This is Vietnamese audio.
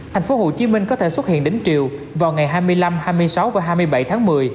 thành phố hồ chí minh có thể xuất hiện đến chiều vào ngày hai mươi năm hai mươi sáu và hai mươi bảy tháng một mươi